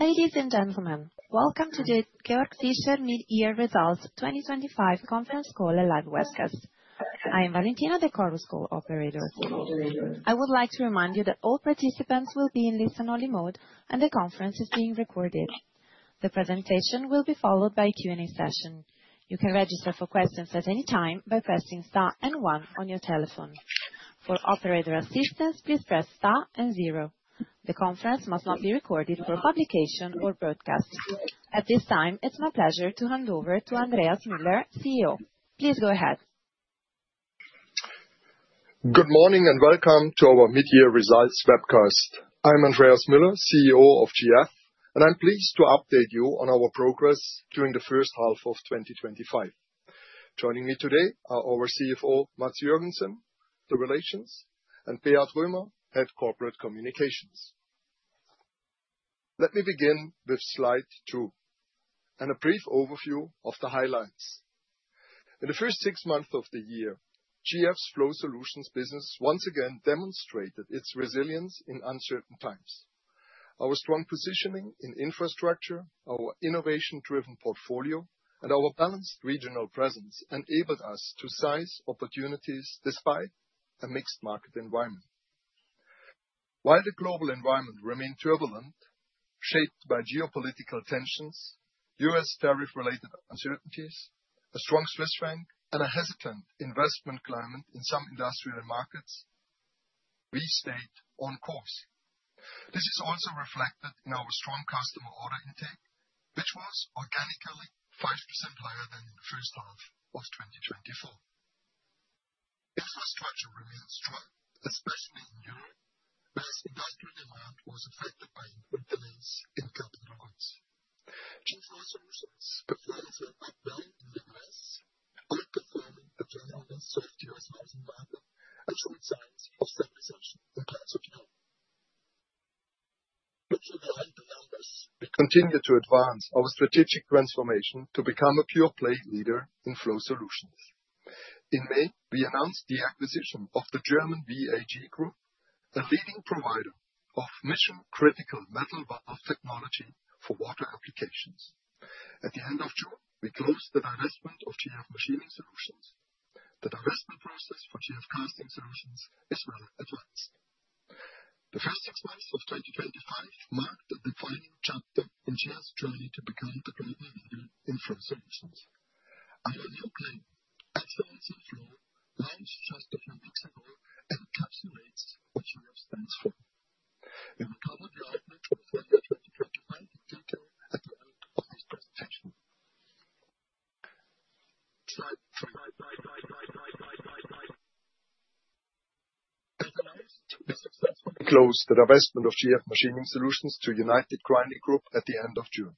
Ladies and gentlemen, welcome to the Kvaerczysche Midyear Results twenty twenty five Conference Call Live Webcast. I am Valentina, the Chorus Call operator. I would like to remind you that all participants will be in listen only mode and the conference is being recorded. The presentation will be followed by Q and A session. The conference must not be recorded for publication or broadcast. At this time, it's my pleasure to hand over to Andreas Miller, CEO. Please go ahead. Good morning, and welcome to our mid year results webcast. I'm Andreas Miller, CEO of GF, and I'm pleased to update you on our progress during the first half of twenty twenty five. Joining me today are our CFO, Mats Jurgensen, the Relations and Perth Wilmer, Head Corporate Communications. Let me begin with Slide two and a brief overview of the highlights. In the first six months of the year, GF's Flow Solutions business once again demonstrated its resilience in uncertain times. Our strong positioning in infrastructure, our innovation driven portfolio and our balanced regional presence enabled us to seize opportunities despite a mixed market environment. While the global environment remained turbulent, shaped by geopolitical tensions, U. S. Tariff related uncertainties, a strong Swiss franc and a hesitant investment climate in some industrial markets, we stayed on course. This is also reflected in our strong customer order intake, which was organically 5% higher than in the first half of twenty twenty four. We continue to advance our strategic transformation to become a pure play leader in flow solutions. In May, we announced the acquisition of the German BAG Group, a leading provider of mission critical metal butt off technology for water applications. At the June, we closed the divestment of GF Machining Solutions. The divestment process for GF Casting Solutions is well advanced. Closed the divestment of GF Machining Solutions to United Grinding Group at the June.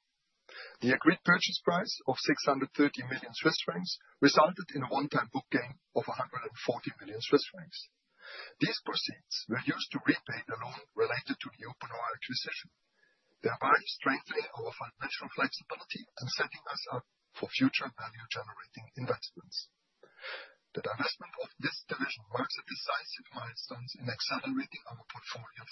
The agreed purchase price of CHF $630,000,000 resulted in a onetime book gain of 140,000,000 Swiss francs. These proceeds were used to repay the loan related to the OpenOire acquisition. They are already strengthening our financial flexibility and setting us up for future value generating investments. The divestment of this division marks decisive milestones in accelerating our portfolio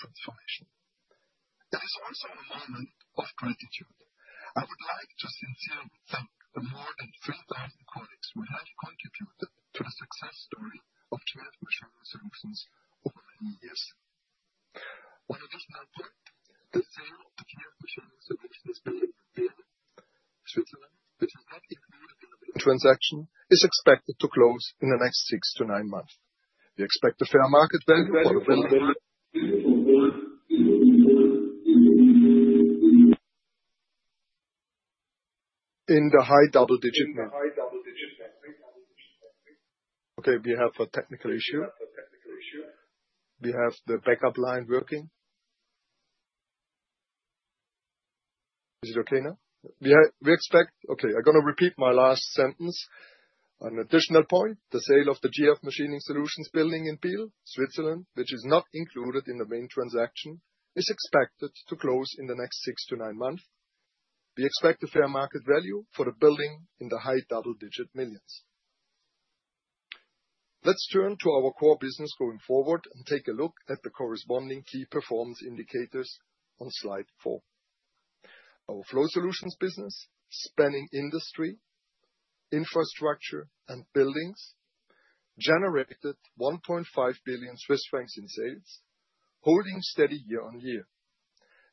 transformation. Transaction is expected to close in the next six to nine months. We expect the fair market bank In the high double digit number. High double digit number. Okay. We have a technical issue. We have a technical issue. We have the backup line working. Is it okay now? We expect okay, I'm going to repeat my last sentence. An additional point, the sale of the GF Machining Solutions building in Beale, Switzerland, which is not included in the main transaction, is expected to close in the next six to nine months. We expect a fair market value for the building in the high double digit millions. Let's turn to our core business going forward and take a look at the corresponding key performance indicators on Slide four. Our Flow Solutions business, spanning industry, infrastructure and buildings, generated billion in sales, holding steady year on year.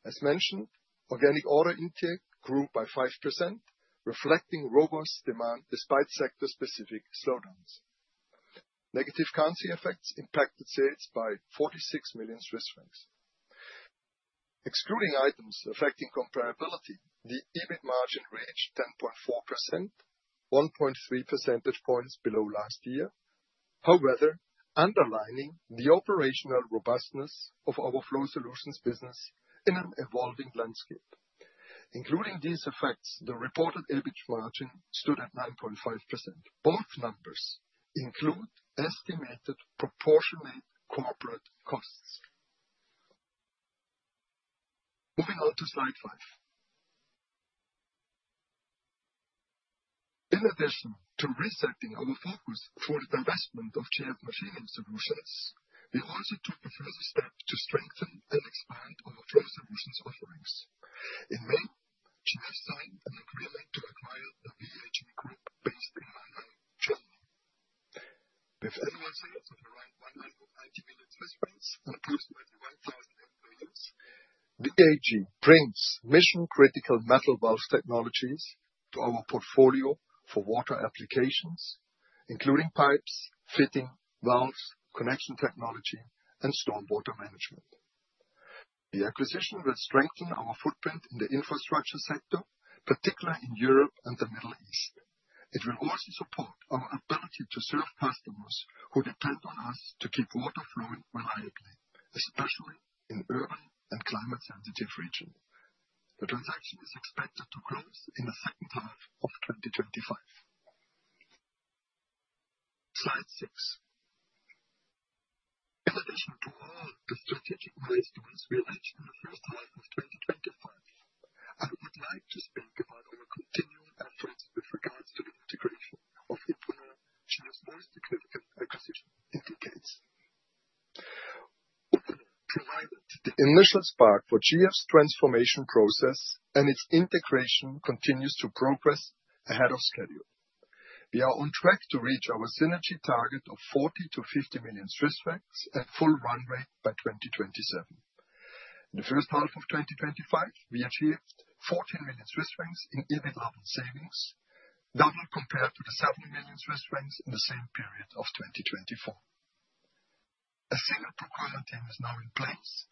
As mentioned, organic order intake grew by 5%, reflecting robust demand despite sector specific slowdowns. Negative currency effects impacted sales by million. Excluding items affecting comparability, the EBIT margin reached 10.4%, 1.3 percentage points below last year, however, underlining the operational robustness of our Flow Solutions business in an evolving landscape. Including these effects, the reported EBIT margin stood at 9.5. Both numbers include estimated proportionate corporate costs. Moving on to Slide five. In addition to resetting our focus for the divestment of GMAT machine solutions, hundred AEG brings mission critical metal valves technologies to our portfolio for water applications, including pipes, fitting, valves, connection technology, and storm water management. The acquisition will strengthen our footprint in the infrastructure sector, particularly in Europe and The Middle East. It will also support our ability to serve customers who depend on us to keep water flowing reliably, especially in urban and climate sensitive regions. The transaction is expected to close in the second half of twenty twenty five. Slide six. The initial spark for GF's transformation process and its integration continues to progress ahead of schedule. We are on track to reach our synergy target of 40 million to 50 million Swiss francs at full run rate by 2027. In the first half of twenty twenty five, we achieved CHF14 million in EBIT level savings, double compared to the 70,000,000 Swiss francs in the same period of 2024. A single procurement team is now in place,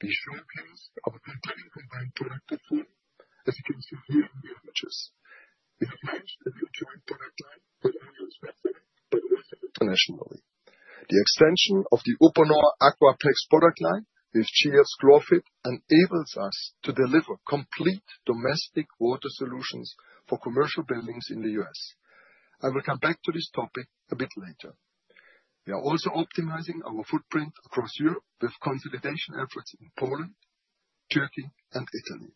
The extension of the Uponor AquaPlex product line with GLS ClorFit enables us to deliver complete domestic water solutions for commercial buildings in The US. I will come back to this topic a bit later. We are also optimizing our footprint across Europe with consolidation efforts in Poland, Turkey, and Italy.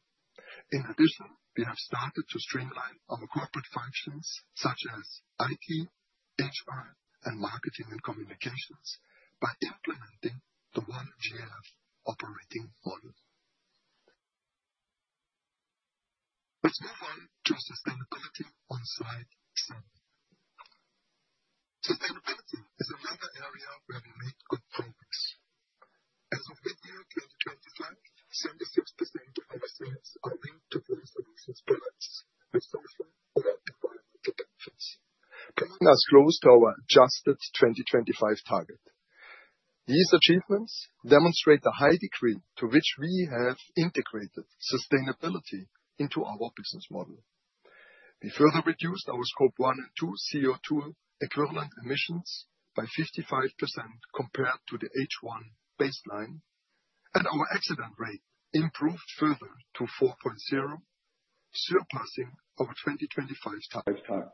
In addition, we have started to streamline our corporate functions such as IT, HR and marketing and communications by implementing the one gf operating model. 76% of our sales are linked to better solutions products with software product development protections, bringing us close to our adjusted 2025 target. These achievements demonstrate a high degree to which we have integrated sustainability into our business model. We further reduced our Scope one and two CO2 equivalent emissions by 55% compared to the H1 baseline, and our accident rate improved further to four point zero, surpassing our 2025 target.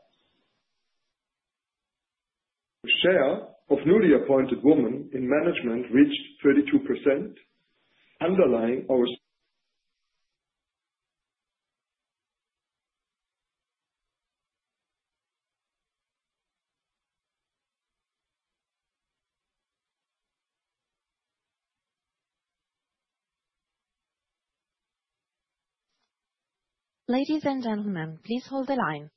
The share of newly appointed women in management reached 32% Underlying our Ladies and gentlemen, please hold the line.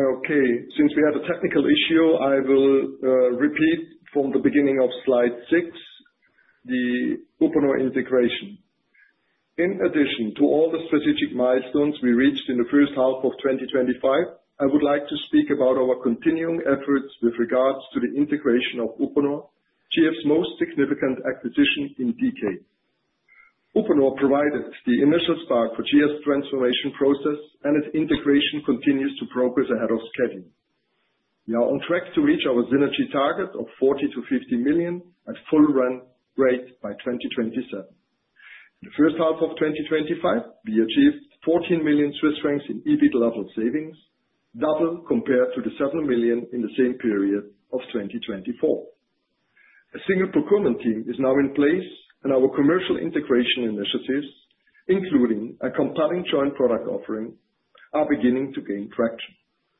Okay. Since we have a technical issue, I will repeat from the beginning of Slide six the Oberono integration. In addition to all the strategic milestones we reached in the first half of twenty twenty five, I would like to speak about our continuing efforts with regards to the integration of Openor, GF's most significant acquisition in DK. Openor provided the initial spark for GF's transformation process and its integration continues to progress ahead of schedule. We are on track to reach our synergy target of 40,000,000 to 50,000,000 at full run rate by 2027. In the first half of twenty twenty five, we achieved 14 million Swiss francs in EBIT level savings, double compared to the 7 million in the same period of 2024. A single procurement team is now in place and our commercial integration initiatives, including a compelling joint product offering, are beginning to gain traction.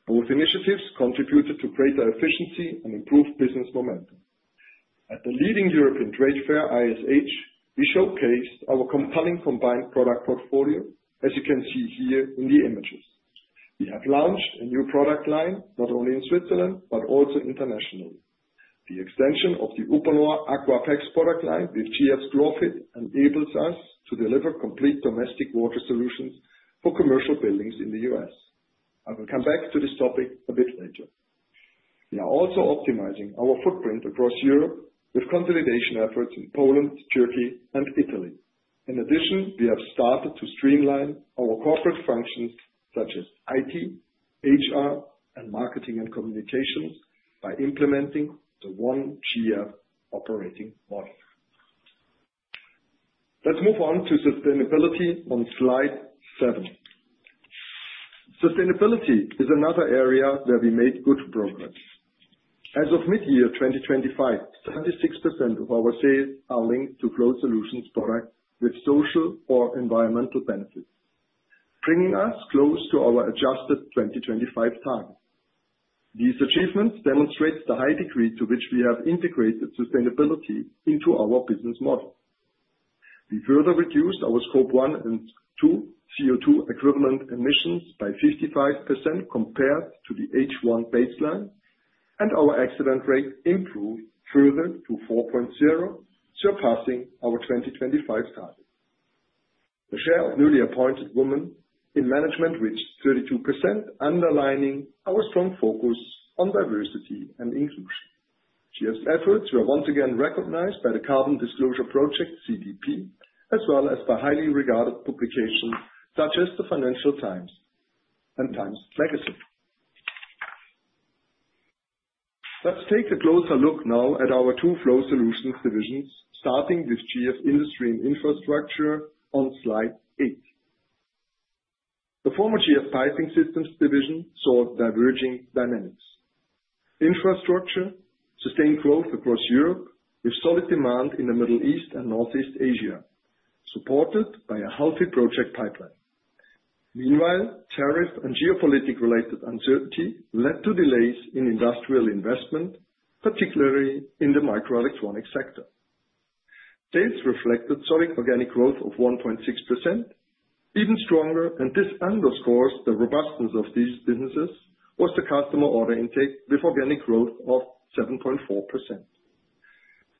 Both initiatives contributed to greater efficiency and improved business momentum. At the leading European trade fair ISH, we showcased our compelling combined product portfolio, as you can see here in the images. We have launched a new product line not only in Switzerland, but also internationally. The extension of the Oberlois AquaPEX product line with GF's Glorfit enables us to deliver complete domestic water solutions for commercial buildings in The U. S. I will come back to this topic a bit later. We are also optimizing our footprint across Europe with consolidation efforts in Poland, Turkey and Italy. In addition, we have started to streamline our corporate functions such as IT, HR and marketing and communications by implementing the one gf operating model. Let's move on to sustainability on Slide seven. Sustainability is another area where we made good progress. As of midyear twenty twenty five, 76% of our sales are linked to growth solutions products with social or environmental benefits, bringing us close to our adjusted 2025 target. These achievements demonstrate the high degree to which we have integrated sustainability into our business model. We further reduced our Scope one and two CO2 equivalent emissions by 55% compared to the H1 baseline and our accident rate improved further to four point zero, surpassing our 2025 target. The share of newly appointed women in management reached 32%, underlining our strong focus on diversity and inclusion. She has efforts were once again recognized by the Carbon Disclosure Project, CDP, as well as by highly regarded publications such as the Financial Times Times Legacy. Let's take a closer look now at our two Flow Solutions divisions, starting with GF Industry and Infrastructure on Slide eight. The former GF Piping Systems division saw diverging dynamics. Infrastructure sustained growth across Europe with solid demand in The Middle East and Northeast Asia, supported by a healthy project pipeline. Meanwhile, tariff and geopolitical related uncertainty led to delays in industrial investment, particularly in the microelectronics sector. Sales reflected solid organic growth of 1.6%. Even stronger and this underscores the robustness of these businesses was the customer order intake with organic growth of 7.4%.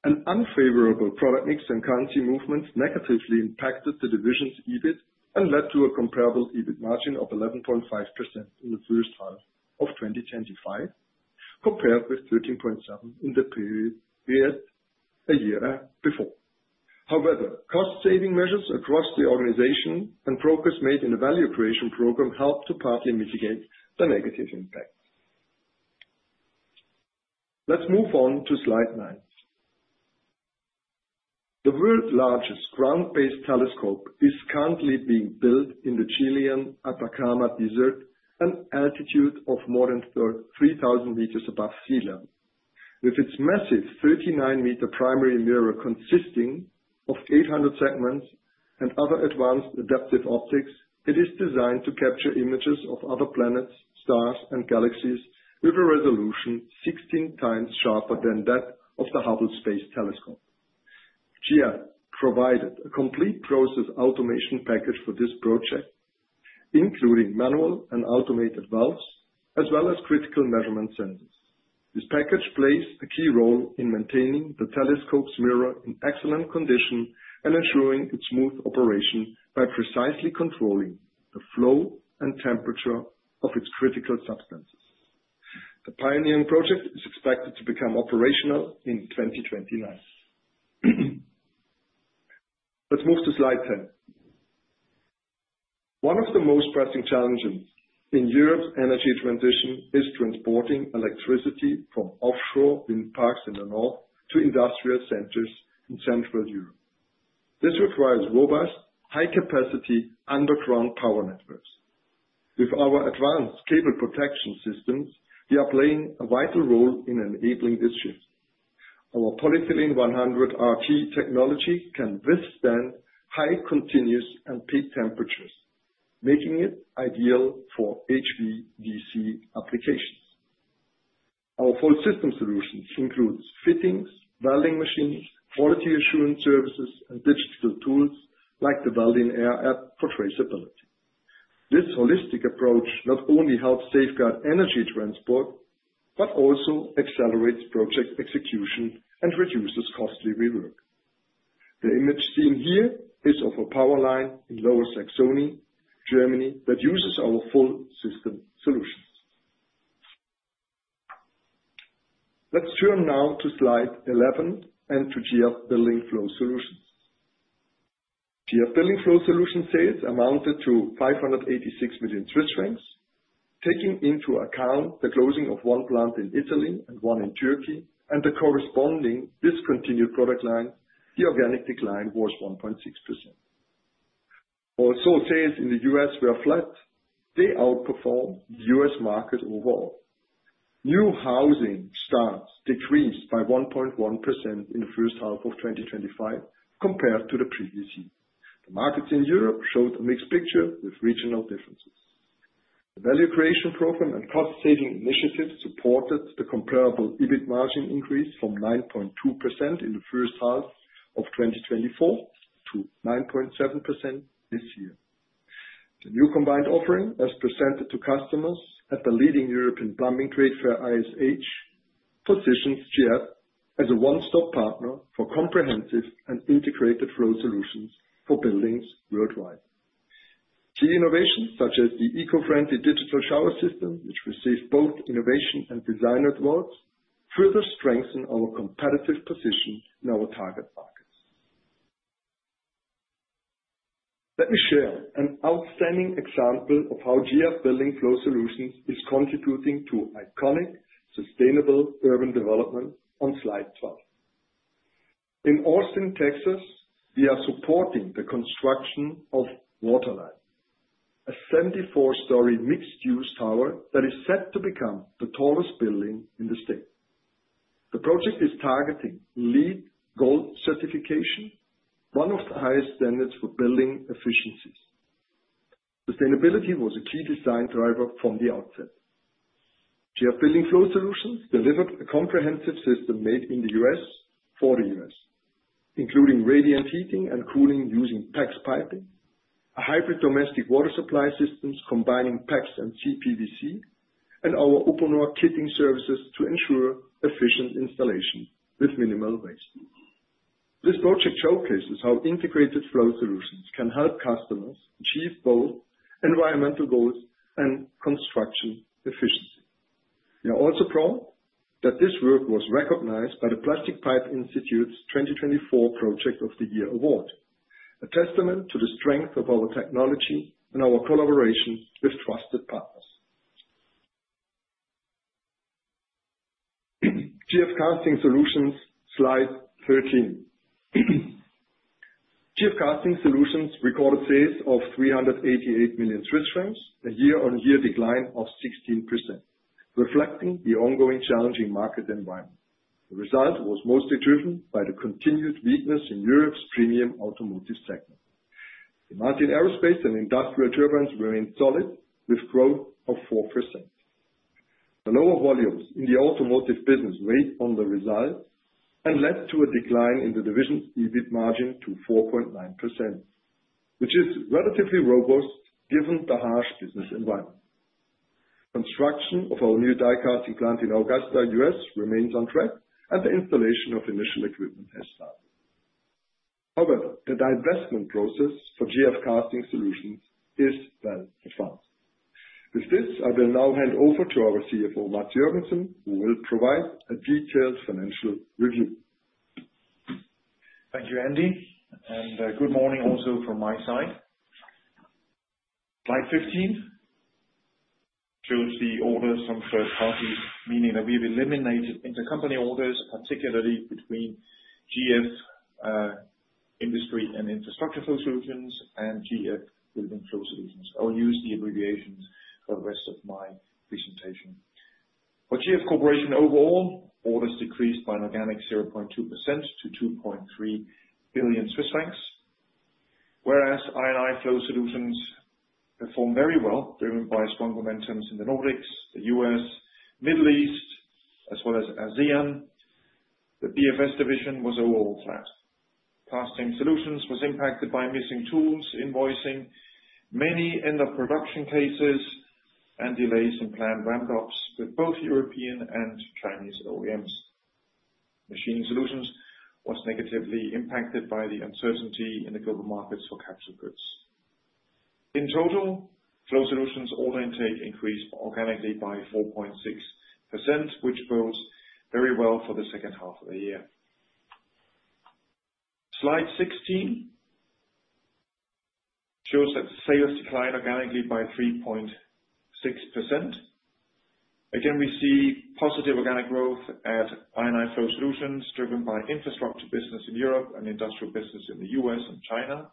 An unfavorable product mix and currency movements negatively impacted the division's EBIT and led to a comparable EBIT margin of 11.5% in the 2025 compared with 13.7% in the period a year before. However, cost saving measures across the organization and progress made in the value creation program helped to partly mitigate the negative impact. Let's move on to Slide nine. The world's largest ground based telescope is currently being built in the Chilean Atacama Desert, an altitude of more than 3,000 meters above sea level. With its massive 39 meter primary mirror consisting of 800 segments and other advanced adaptive optics, it is designed to capture images of other planets, stars and galaxies with a resolution 16 times sharper than that of the Hubble Space Telescope. GM provided a complete process automation package for this project, including manual and automated valves, as well as critical measurement sensors. This package plays a key role in maintaining the telescope's mirror in excellent condition and ensuring its smooth operation by precisely controlling the flow and temperature of its critical substances. The pioneering project is expected to become operational in 2029. Let's move to Slide 10. One of the most pressing challenges in Europe's energy transition is transporting electricity from offshore wind parks in the North to industrial centers in Central Europe. This requires robust, high capacity underground power networks. With our advanced cable protection systems, we are playing a vital role in enabling this shift. Our polyethylene 100 RT technology can withstand high continuous and peak temperatures, making it ideal for HVDC applications. Our full system solutions includes fittings, welding machines, quality assurance services and digital tools like the Weldin Air app for traceability. This holistic approach not only helps safeguard energy transport, but also accelerates project execution and reduces costly rework. The image seen here is of a power line in Lower Saxony, Germany that uses our full system solutions. Let's turn now to Slide 11 and to GF Building Flow Solutions. GF Building Flow Solutions sales amounted to million. Taking into account the closing of one plant in Italy and one in Turkey and the corresponding discontinued product line, the organic decline was 1.6%. Also sales in The U. S. Were flat. They outperformed The U. S. Market overall. New housing starts decreased by 1.1% in the first half of twenty twenty five compared to the previous The markets in Europe showed a mixed picture with regional differences. The value creation program and cost saving initiatives supported the comparable EBIT margin increase from 9.2% in the 2024 to 9.7 this year. The new combined offering as presented to customers at the leading European plumbing trade fair ISH positions GF as a one stop partner for comprehensive and integrated flow solutions for buildings worldwide. Key innovations such as the eco friendly digital shower system, which receives both innovation and design awards, further strengthens our competitive position in our target markets. Let me share an outstanding example of how GF Building Flow Solutions is contributing to iconic sustainable urban development on Slide 12. In Austin, Texas, we are supporting the construction of Waterline, a 74 storey mixed use tower that is set to become the tallest building in the state. The project is targeting LEED gold certification, one of the highest standards for building efficiencies. Sustainability was a key design driver from the outset. GF Building Flow Solutions delivered a comprehensive system made in The U. S. For The U. S, including radiant heating and cooling using PEX piping, a hybrid domestic water supply systems combining PEX and CPVC and our open door kitting services to ensure efficient installation with minimal waste. This project showcases how integrated flow solutions can help customers achieve both environmental goals and construction efficiency. We are also proud that this work was recognized by the Plastic Pipe Institute's 2024 Project of the Year award, a testament to the strength of our technology and our collaboration with trusted partners. GF Casting Solutions, Slide 13. GF Casting Solutions recorded sales of 388 million Swiss francs, a year on year decline of 16%, reflecting the ongoing challenging market environment. The result was mostly driven by the continued weakness in Europe's premium automotive segment. Demand in Aerospace and Industrial Turbines remained solid with growth of 4%. The lower volumes in the Automotive business weighed on the results and led to a decline in the division's EBIT margin to 4.9%, which is relatively robust given the harsh business environment. Construction of our new die casting plant in Augusta, U. S. Remains on track and the installation of initial equipment has started. However, the divestment process for GF Casting Solutions is well advanced. With this, I will now hand over to our CFO, Matt Jorgensen, who will provide a detailed financial review. Thank you, Andy, and good morning also from my side. Slide 15 shows the orders from third parties, meaning that we've eliminated intercompany orders, particularly between GF Industry and Infrastructure Solutions and GF Building Flow Solutions. I will use the abbreviations for the rest of my presentation. For GF Corporation overall, orders decreased by an organic 0.2% to 2,300,000,000.0 Swiss francs, Whereas I and I Flow Solutions performed very well, driven by strong momentum in The Nordics, The U. S, Middle East as well as ASEAN, the BFS division was overall flat. Casting Solutions was impacted by missing tools, invoicing, many end of production cases and delays in planned ramp ups with both European and Chinese OEMs. Machining Solutions was negatively impacted by the uncertainty in the global markets for capsule goods. In total, Flow Solutions order intake increased organically by 4.6%, which bodes very well for the second half of the year. Slide 16 shows that sales declined organically by 3.6. Again, we see positive organic growth at Ionite Flow Solutions, driven by infrastructure business in Europe and industrial business in The U. S. And China.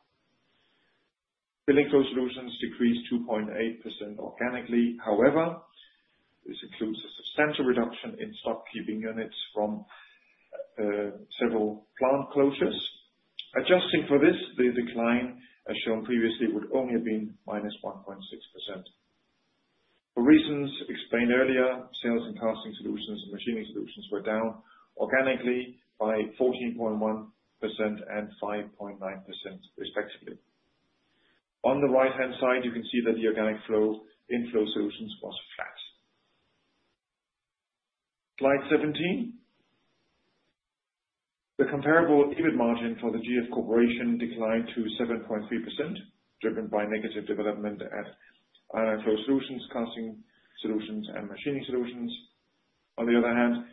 Billing flow solutions decreased 2.8% organically. However, this includes a substantial reduction in stock keeping units from several plant closures. Adjusting for this, the decline, as shown previously, would only have been minus 1.6%. For reasons explained earlier, sales in Casting Solutions and Machining Solutions were down organically by 14.15.9%, respectively. On the right hand side, you can see that the organic flow in Flow Solutions was flat. Slide 17. The comparable EBIT margin for the GF Corporation declined to 7.3%, driven by negative development at On the other hand,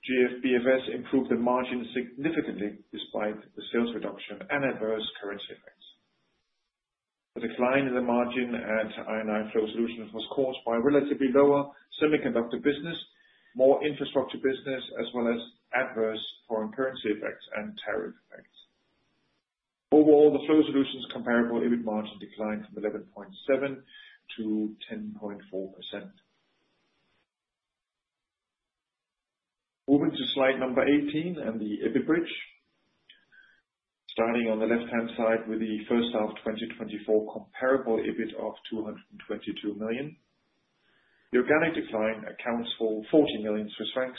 GF BFS improved the margin significantly despite the sales reduction and adverse currency effects. The decline in the margin at Ion and and Flow Solutions was caused by relatively lower semiconductor business, more infrastructure business as well as adverse foreign currency effects and tariff effects. Overall, the Flow Solutions comparable EBIT margin declined from 11.7% to 10.4. Moving to Slide 18 and the EBIT bridge. Starting on the left hand side with the first half twenty twenty four comparable EBIT of 222 million. The organic decline accounts for 40 million Swiss francs.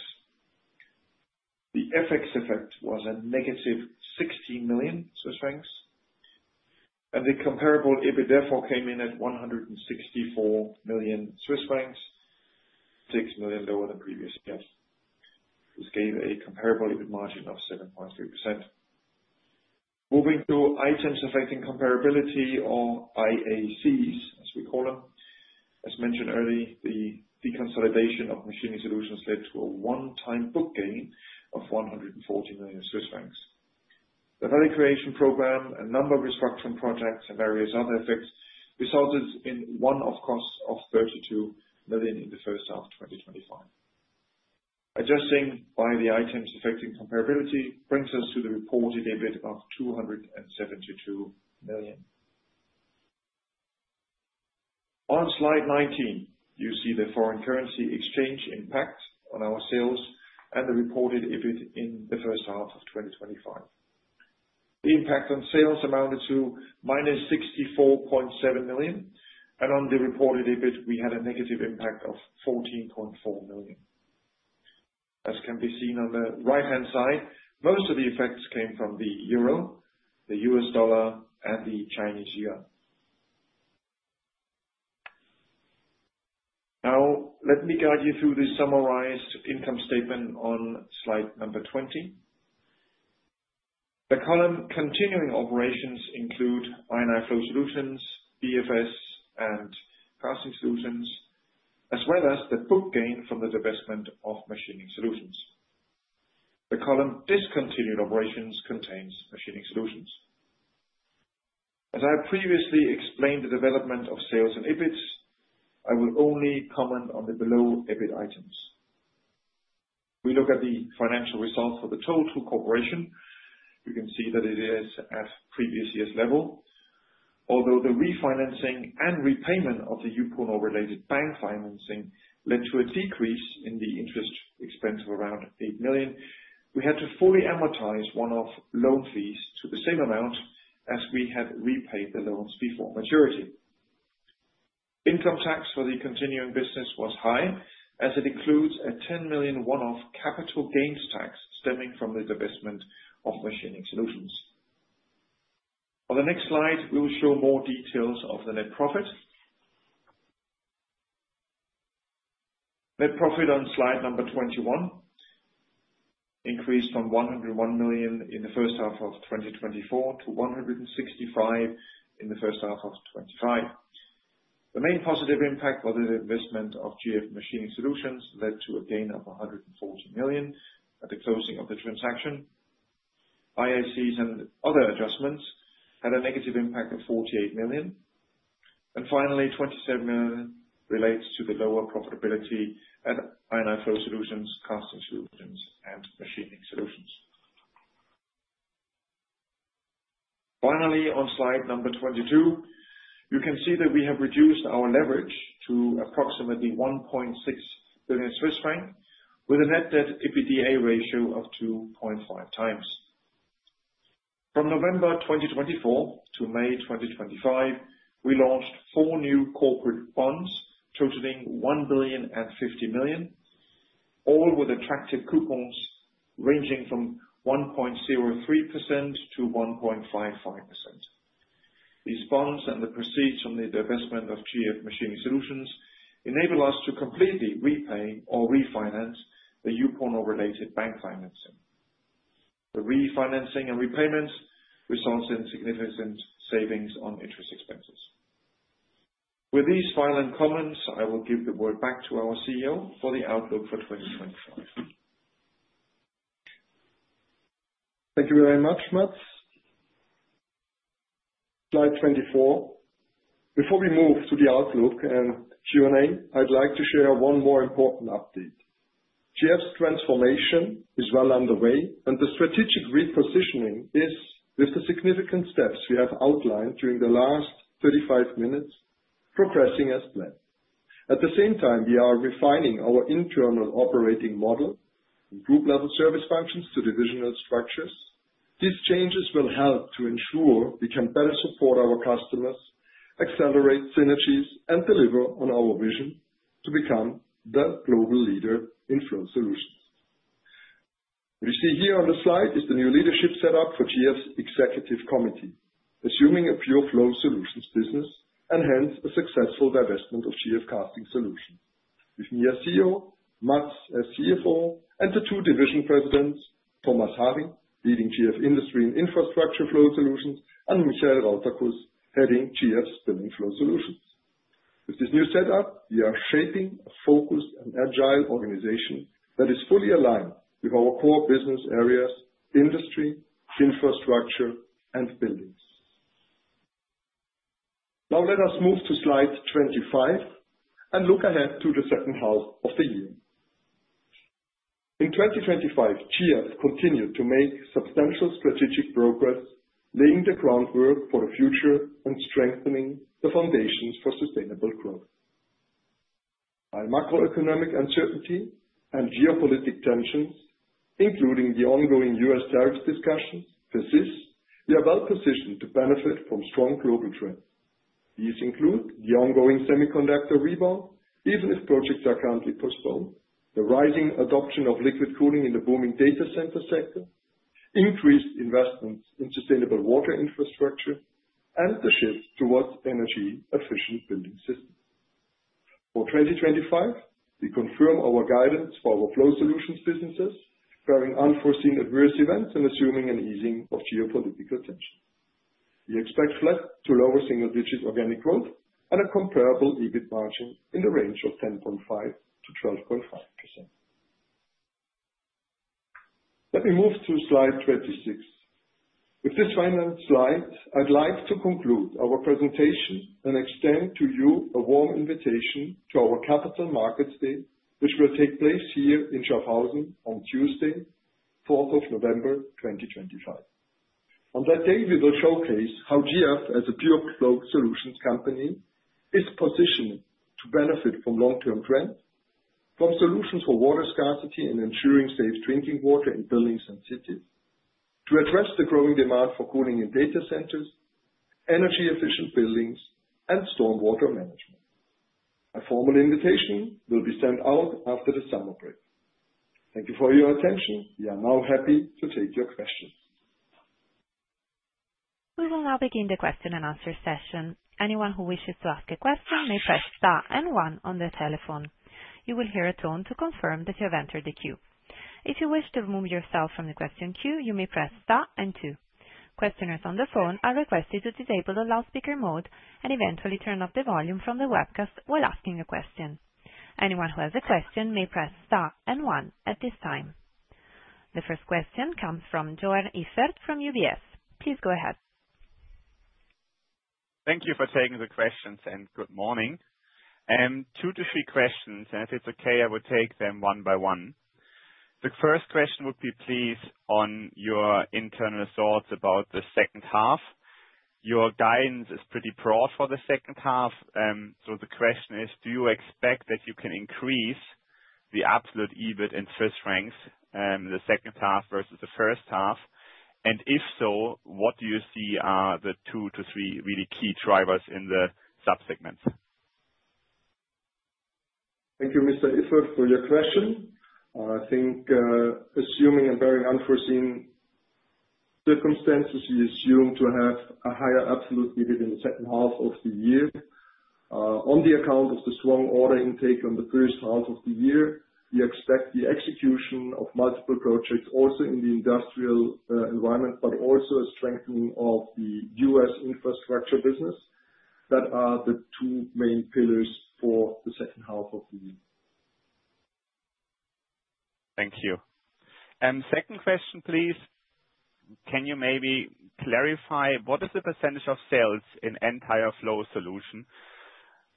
The FX effect was a negative 60,000,000 Swiss francs. And the comparable EBIT, therefore, came in at 164,000,000 Swiss francs, 6,000,000 lower than previous year. This gave a comparable EBIT margin of 7.3%. Moving to items affecting comparability or IACs, as we call them. As mentioned earlier, the deconsolidation of Machining Solutions led to a onetime book gain of 140,000,000 Swiss francs. The value creation program, a number of restructuring projects and various other effects resulted in one off costs of 32,000,000 in the first half twenty twenty five. Adjusting by the items affecting comparability brings us to the reported EBIT of DKK $272,000,000. On Slide 19, you see the foreign currency exchange impact on our sales and the reported EBIT in the first half of twenty twenty five. The impact on sales amounted to minus 64,700,000.0. And on the reported EBIT, we had a negative impact of 14,400,000.0. As can be seen on the right hand side, most of the effects came from the euro, the U. S. Dollar and the Chinese yuan. Now let me guide you through the summarized income statement on Slide number 20. The column continuing operations include I and I Flow Solutions, BFS and Casting Solutions as well as the book gain from the divestment of Machining Solutions. The column discontinued operations contains Machining Solutions. As I have previously explained the development of sales and EBITS, I will only comment on the below EBIT items. If we look at the financial results for the Total Corporation, you can see that it is at previous year's level. Although the refinancing and repayment of the Yukono related bank financing led to a decrease in the interest expense of around 8,000,000, we had to fully amortize one off loan fees to the same amount as we had repaid the loans before maturity. Income tax for the continuing business was high as it includes a £10,000,000 one off capital gains tax stemming from the divestment of Machining Solutions. On the next slide, we will show more details of the net profit. Net profit on Slide number 21 increased from 101 million in the 2024 to €165,000,000 in the first half of twenty twenty five. The main positive impact was the investment of GF Machining Solutions led to a gain of €140,000,000 at the closing of the transaction. IACs and other adjustments had a negative impact of €48,000,000 And finally, 27,000,000 relates to the lower profitability at I and I Flo Solutions, Casting Solutions and Machining Solutions. Finally, on Slide number 22, you can see that we have reduced our leverage to approximately 1,600,000,000.0 Swiss francs with a net debt to EBITDA ratio of 2.5x. From November 2024 to May 2025, we launched four new corporate bonds totaling €1,050,000,000 all with attractive coupons ranging from 1.03% to 1.55%. These bonds and the proceeds from the divestment of GF Machining Solutions enable us to completely repay or refinance the UConn or related bank financing. The refinancing and repayments results in significant savings on interest expenses. With these final comments, I will give the word back to our CEO for the outlook for 2025. Thank you very much, Mats. Slide 24. Before we move to the outlook and Q and A, I'd like to share one more important update. GF's transformation is well underway and the strategic repositioning is, with the significant steps we have outlined during the last thirty five minutes, progressing as planned. At the same time, we are refining our internal operating model group level service functions to divisional structures. These changes will help to ensure we can better support our customers, accelerate synergies and deliver on our vision to become the global leader in Fluent Solutions. What you see here on the slide is the new leadership setup for GF's Executive Committee, assuming a pure Flow Solutions business and hence a successful divestment of GF Casting Solutions. With me as CEO, Mats as CFO and the two division presidents Thomas Hari, leading GF Industry and Infrastructure Flow Solutions and Michel Rautakus, Heading GF Spending Flow Solutions. With this new setup, we are shaping a focused and agile organization that is fully aligned with our core business areas, industry, infrastructure and buildings. Now let us move to Slide '25 and look ahead to the second half of the year. In 2025, GF continued to make substantial strategic progress, laying the groundwork for the future and strengthening the foundations for sustainable growth. While macroeconomic uncertainty and geopolitical tensions, including the ongoing U. S. Tariff discussions persist, we are well positioned to benefit from strong global trends. These include the ongoing semiconductor rebound, even if projects are currently postponed, the rising adoption of liquid cooling in the booming data center sector, increased investments in sustainable water infrastructure and the shift towards energy efficient building systems. For 2025, we confirm our guidance for our Flow Solutions businesses, bearing unforeseen adverse events and assuming an easing of geopolitical tension. We expect flat to lower single digit organic growth and a comparable EBIT margin in the range of 10.5% to 12.5%. Let me move to Slide 26. With this final slide, I'd like to conclude our presentation and extend to you a warm invitation to our Capital Markets Day, which will take place here in Scharfhausen on Tuesday, 11/04/2025. On that day, we will showcase how GF as a pure float solutions company is positioned to benefit from long term trends, from solutions for water scarcity and ensuring safe drinking water in buildings and cities, to address the growing demand for cooling and data centers, energy efficient buildings and stormwater management. A formal invitation will be sent out after the summer break. Thank you for your attention. We are now happy to take your questions. We will now begin the question and answer session. The first question comes from Johan Effert from UBS. Two to three questions. And if it's okay, I will take them one by one. The first question would be, please, on your internal thoughts about the second half. Your guidance is pretty broad for the second half. So the question is, do you expect that you can increase the absolute EBIT in Swiss francs in the second half versus the first half? And if so, what do you see are the two to three really key drivers in the sub segments? Thank you, Mr. Iffer, for your question. I think assuming a very unforeseen circumstances, we assume to have a higher absolute EBIT in the second half of the year. On the account of the strong order intake on the first half of the year, we expect the execution of multiple projects also in the industrial environment, but also a strengthening of The U. S. Infrastructure business. That are the two main pillars for the second half of the year. Second question, please. Can you maybe clarify what is the percentage of sales solution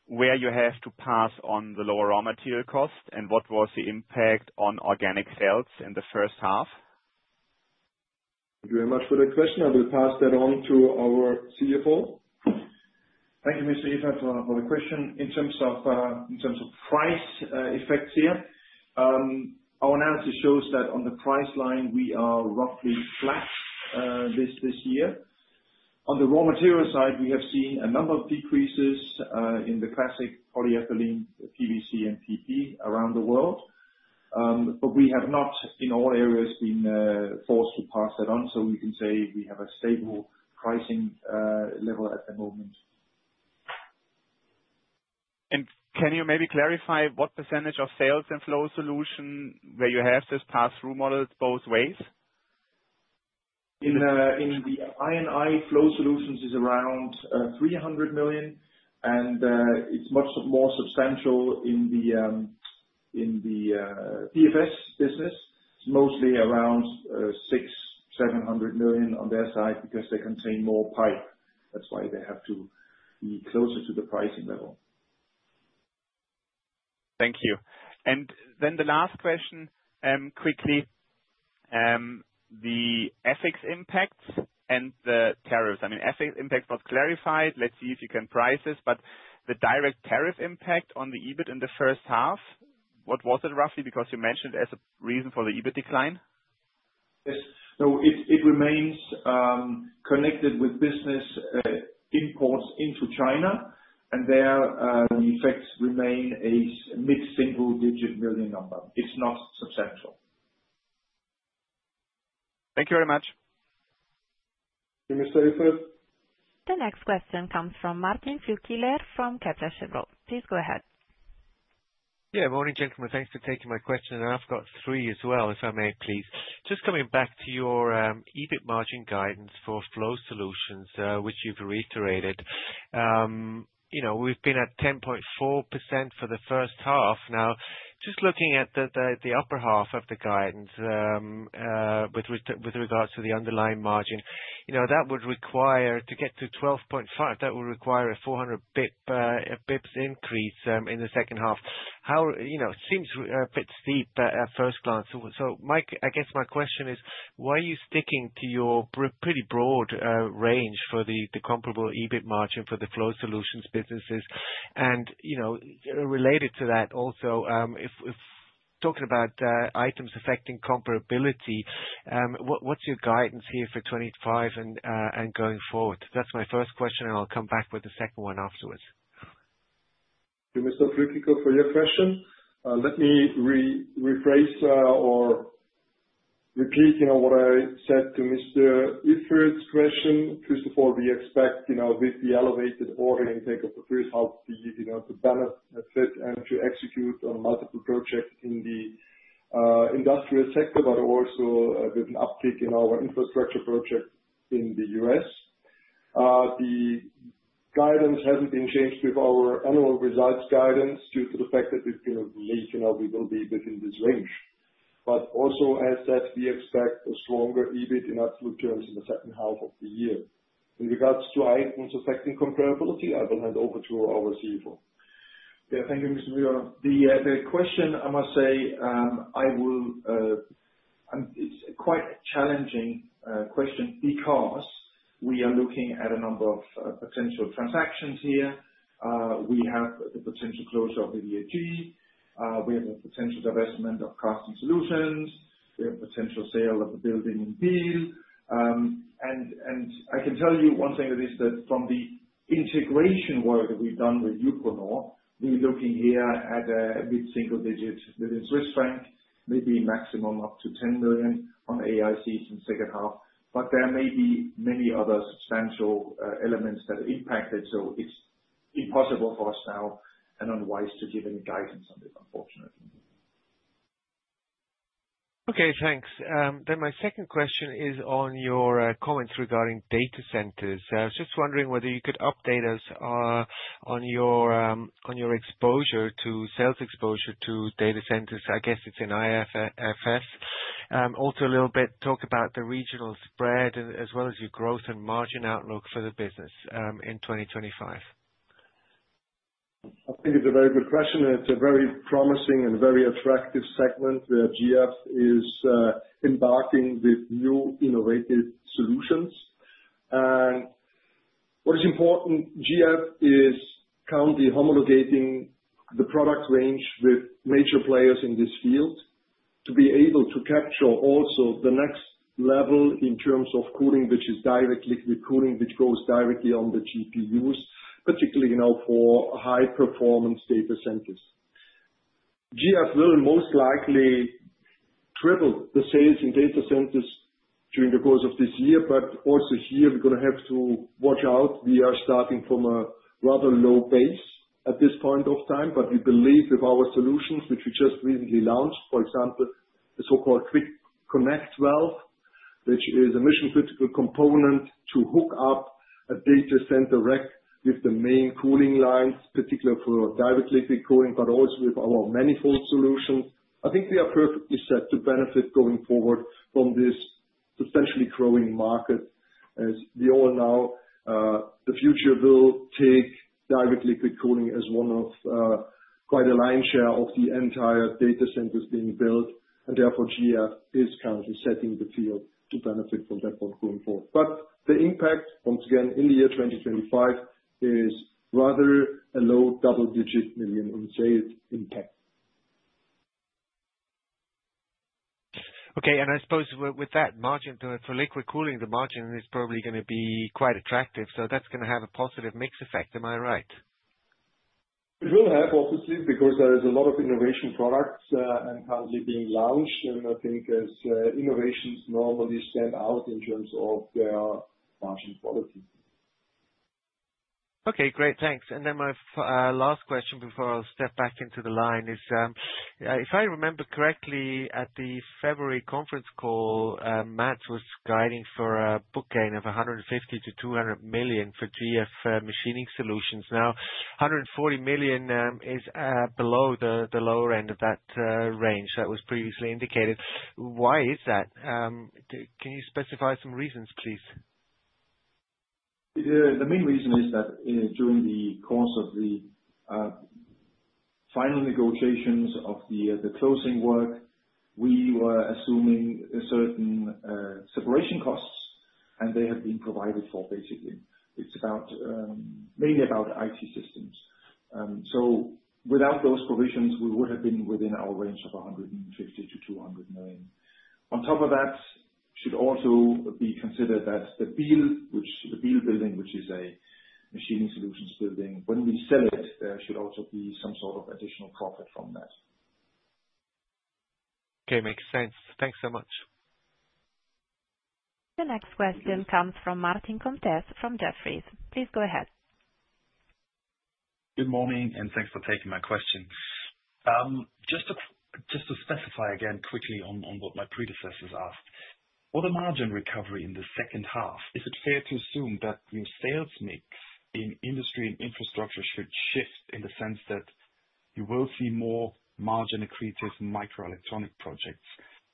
where you have to pass on the lower raw material cost? And what was the impact on organic sales in the first half? Thank very much for the question. I will pass that on to our CFO. Thank you, Mr. Ife, for the question. In terms of price effects here, our analysis shows that on the price line, we are roughly flat this year. On the raw material side, we have seen a number of decreases in the classic polyethylene PVC and PP around the world. But we have not, in all areas, been forced to pass that on. So we can say we have a stable pricing level at the moment. And can you maybe clarify what percentage of sales in Flow Solutions where you have this pass through model both ways? In the I and I, Flow Solutions is around €300,000,000 and it's much more substantial in the PFS business. It's mostly around 6,000,000, 700,000,000 on their side because they contain more pipe. That's why they have to be closer to the pricing level. And then the last question quickly. The FX impact and the tariffs. I mean FX impact was clarified. Let's see if you can price this. But the direct tariff impact on the EBIT in the first half, what was it roughly because you mentioned it as a reason for the EBIT decline? Yes. No, it remains connected with business imports into China. And there, the effects remain a mid single digit million number. It's not substantial. Thank you very much. The next question comes from Martin Fukiller from Kepler Cheuvreux. Please go ahead. Yes. Good morning, gentlemen. Thanks for taking my question. And I've got three as well, if I may, please. Just coming back to your EBIT margin guidance for Flow Solutions, which you've reiterated. We've been at 10.4% for the first half. Now just looking at the upper half of the guidance with regards to the underlying margin, that would require to get to 12.5%, that would require a 400 bps increase in the second half. How it seems a bit steep at first glance. So Mike, I guess my question is why are you sticking to your pretty broad range for the comparable EBIT margin for the Flow Solutions businesses? And related to that, also, talking about items affecting comparability, what's your guidance here for 2025 and going forward? That's my first question, and I'll come back with the second one afterwards. You, Mr. Flickico, for your question. Let me rephrase or repeat what I said to Mr. Yiffer's question. First of all, we expect with the elevated order intake of the first half the benefit and to execute on multiple projects in the industrial sector, but also with an uptick in our infrastructure project in The U. S. The guidance hasn't been changed with our annual results guidance due to the fact that we believe we will be within this range. But also, as said, we expect a stronger EBIT in absolute terms in the second half of the year. In regards to items affecting comparability, I will hand over to our CFO. Yes. Thank you, Mr. Bjorn. The question, I must say, will it's a quite challenging question because we are looking at a number of potential transactions here. We have the potential closure of the DFG. We have a potential divestment of Casting Solutions. We have potential sale of the building and deal. And and I can tell you one thing that is that from the integration work that we've done with UConor, we're looking here at a a mid single digit within Swiss francs, maybe maximum up to 10,000,000 on AICs in second half. But there may be many other substantial elements that are impacted. So it's impossible for us now and unwise to give any guidance on this, unfortunately. Okay. Then my second question is on your comments regarding data centers. I was just wondering whether you could update us on your exposure to sales exposure to data centers, I guess, it's in IFRS. Also a little bit talk about the regional spread as well as your growth and margin outlook for the business in 2025. I think it's a very good question. It's a very promising and very attractive segment where GF is embarking with new innovative solutions. And what is important, GF is currently homologating the product range with major players in this field to be able to capture also the next level in terms of cooling, which is direct liquid cooling, which goes directly on the GPUs, particularly for high performance data centers. GF will most likely triple the sales in data centers during the course of this year. But also here, we're going to have to watch out. We are starting from a rather low base at this point of time. But we believe with our solutions, which we just recently launched, for example, the so called Quick Connect valve, which is a mission critical component to hook up a data center rack with the main cooling lines, particularly for direct liquid cooling, but also with our manifold solutions. I think we are perfectly set to benefit going forward from this potentially growing market as we all know the future will take direct liquid cooling as one of quite a lion's share of the entire data centers being built, and therefore, GF is currently setting the field to benefit from that point going forward. But the impact, once again, in the year 2025 is rather a low double digit million on sales impact. Okay. And I suppose with that margin for liquid cooling, the margin is probably going to be quite attractive. So that's going to have positive mix effect. Am I right? It will have, obviously, because there is a lot of innovation products and hardly being launched. And I think as innovations normally stand out in terms of their margin quality. Okay. Great. And then my last question before I step back into the line is, if I remember correctly, at the February conference call, Mats was guiding for a book gain of 150,000,000 to €200,000,000 for GF Machining Solutions. Now 140,000,000 is below the lower end of that range that was previously indicated. Why is that? Can you specify some reasons, please? The main reason is that during the course of the final negotiations of the closing work, we were assuming certain separation costs, and they have been provided for, basically. It's about mainly about IT systems. So without those provisions, we would have been within our range of 150,000,000 to 200,000,000. On top of that, should also be considered that the Biel, which the Biel building, which is a machining solutions building, when we sell it, there should also be some sort of additional profit from that. The next question comes from Martin Contes from Jefferies. Please go ahead. Good morning and thanks for taking my question. Just to specify again quickly on what my predecessors asked. For the margin recovery in the second half, is it fair to assume that your sales mix in Industry and Infrastructure should shift in the sense that you will see more margin accretive microelectronic projects?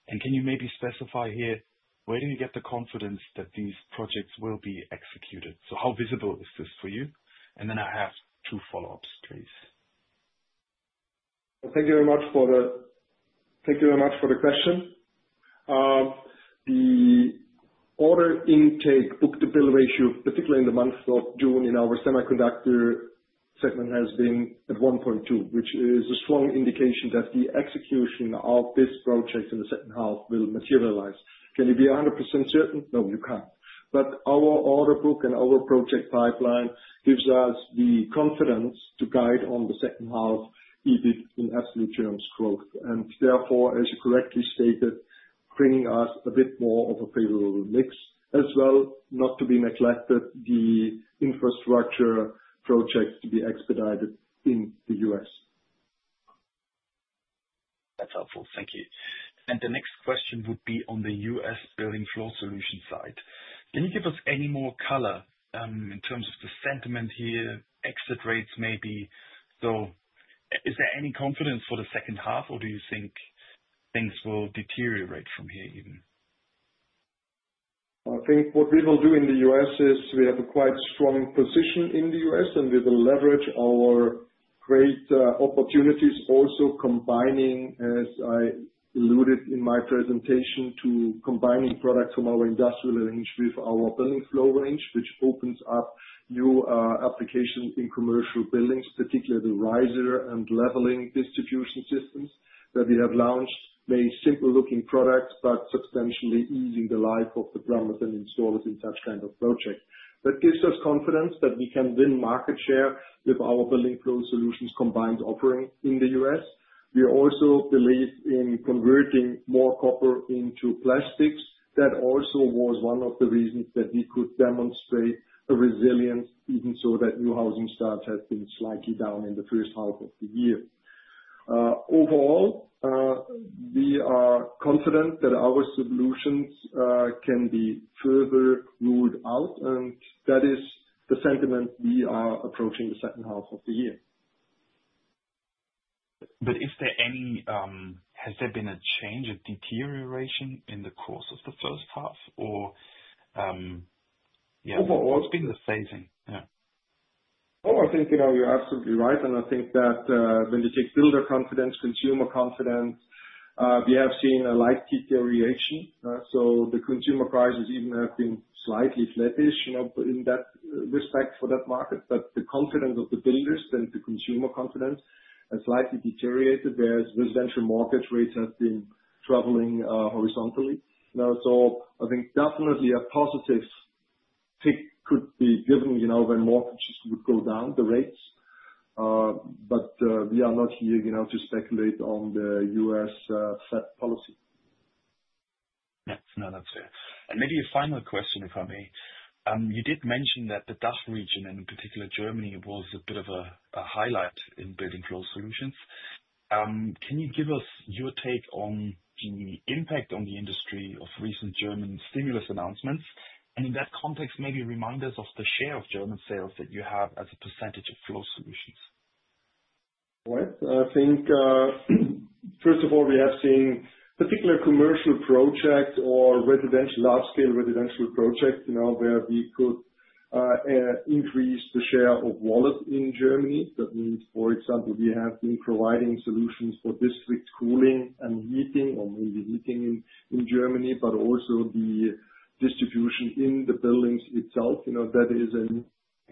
And can you maybe specify here where do you get the confidence that these projects will be executed? So how visible is this for you? And then I have two follow ups, please. Thank you very much for the question. The order intake book to bill ratio, particularly in the month of June in our semiconductor segment has been at 1.2, which is a strong indication that the execution of this project in the second half will materialize. Can you be 100% certain? No, you can't. But our order book and our project pipeline gives us the confidence to guide on the second half EBIT in absolute terms growth. And therefore, as you correctly stated, bringing us a bit more of a favorable mix as well, not to be neglected, the infrastructure projects to be expedited in The U. S. That's helpful. And the next question would be on The U. S. Building Flow Solutions side. Can you give us any more color in terms of the sentiment here, exit rates maybe? So is there any confidence for the second half? Or do you think things will deteriorate from here even? I think what we will do in The U. S. Is we have a quite strong position in The U. S, and we will leverage our great opportunities also combining, as I alluded in my presentation, to combining products from our industrial range with our billing flow range, which opens up new applications in commercial buildings, particularly the riser and leveling distribution systems that we have launched made simple looking products, but substantially easing the life of the plumbers and installers in such kind of project. That gives us confidence that we can win market share with our BuildingFlow Solutions combined offering in The U. S. We also believe in converting more copper into plastics. That also was one of the reasons that we could demonstrate a resilience even so that new housing starts have been slightly down in the first half of the year. Overall, we are confident that our solutions can be further ruled out, and that is the sentiment we are approaching the second half of the year. But is there any has there been a change, a deterioration in the course of the first half? Or what's been the phasing? I think you're absolutely right. And I think that when you take builder confidence, consumer confidence, we have seen a light deterioration. So the consumer prices even have been slightly flattish in that respect for that market. But the confidence of the builders and the consumer confidence has slightly deteriorated. There's residential mortgage rates have been traveling horizontally. Now it's all I think definitely a positive tick could be given, you know, when mortgages would go down, the rates. But we are not here to speculate on the U. S. Fed policy. Yes. No, that's fair. And maybe a final question, if I may. You did mention that the DACH region, and in particular, Germany, was a bit of a highlight in building Flow Solutions. Can you give us your take on the impact on the industry of recent German stimulus announcements? And in that context, maybe remind us of the share of German sales that you have as a percentage of Flow Solutions? All right. I think, first of all, we have seen particular commercial projects or residential large scale residential projects where we could increase the share of wallet in Germany. That means, for example, we have been providing solutions for district cooling and heating or maybe heating in Germany, but also the distribution in the buildings itself. That is an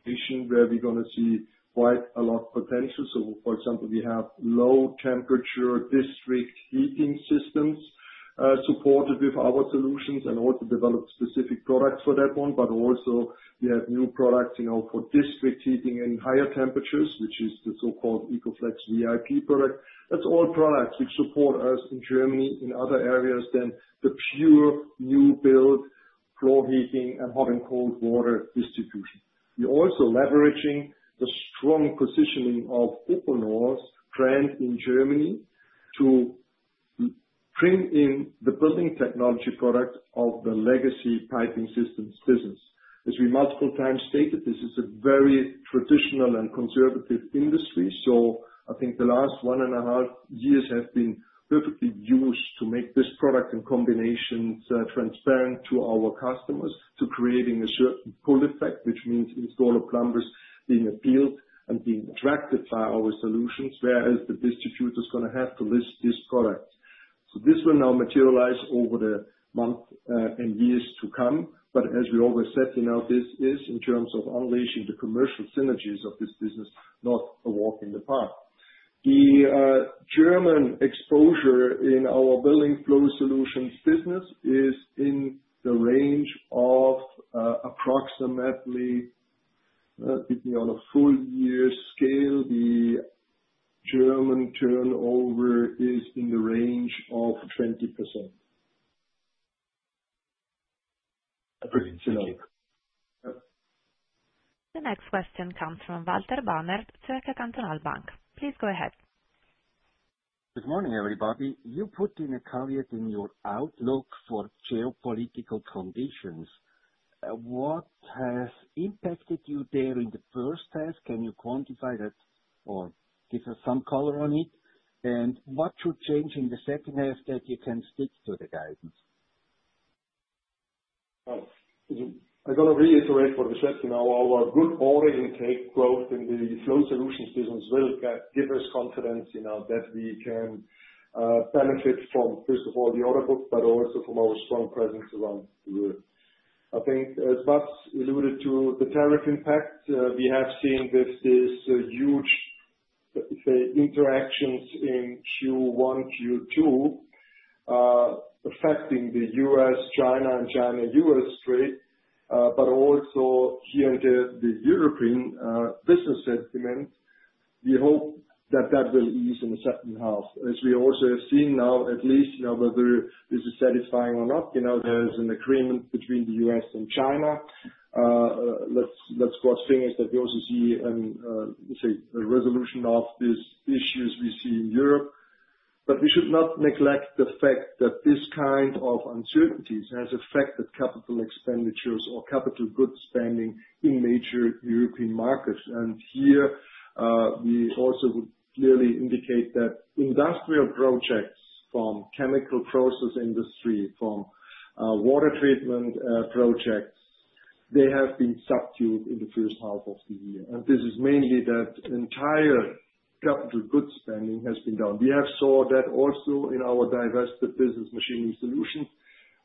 issue where we're going to see quite a lot of potential. So for example, we have low temperature district heating systems supported with our solutions and also developed specific products for that one. But also, we have new products for district heating and higher temperatures, which is the so called EcoFLEX VIP product. That's all products which support us in Germany in other areas than the pure new build floor heating and hot and cold water distribution. We're also leveraging the strong positioning of Opelnoor's brand in Germany to bring in the building technology product of the legacy Piping Systems business. As we multiple times stated, this is a very traditional and conservative industry. So I think the last one point five years have been perfectly used to make this product in combination transparent to our customers to creating a certain pull effect, which means installer plumbers being appealed and being attracted by our solutions, whereas the distributor is going to have to list this product. So this will now materialize over the months and years to come. But as we always said, is in terms of unleashing the commercial synergies of this business, not a walk in the park. The German exposure in our Building Flow Solutions business is in the range of approximately on a full year scale, the German turnover is in the range of 20%. The next question comes from Walter Bahnert, Societe Generale Bank. Please go ahead. Good morning, everybody. You put in a caveat in your outlook for geopolitical conditions. What has impacted you there in the first half? Can you quantify that or give us some color on it? And what should change in the second half that you can stick to the guidance? I'm to reiterate what we said. Our good order intake growth in the Flow Solutions business will give us confidence that we can benefit from, first of all, the order book but also from our strong presence around the world. I think as Baz alluded to the tariff impact, we have seen this huge, let's interactions in Q1, Q2 affecting The U. S, China and China U. S. Trade, but also here in the European business sentiment, we hope that that will ease in the second half. As we also have seen now at least whether this is satisfying or not, there's an agreement between The U. S. And China. Let's cross fingers that we also see, let's say, a resolution of these issues we see in Europe. But we should not neglect the fact that this kind of uncertainties has affected capital expenditures or capital goods spending in major European markets. And here, we also would clearly indicate that industrial projects from chemical process industry, water treatment projects, they have been subdued in the first half of the year. And this is mainly that entire capital goods spending has been down. We have saw that also in our divested business, Machining Solutions.